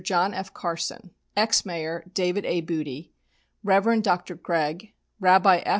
John F. Carson, ex Mayor David A. Boody, Rev. Dr. Gregg, Rabbi F.